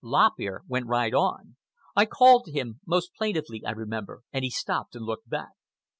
Lop Ear went right on. I called to him—most plaintively, I remember; and he stopped and looked back.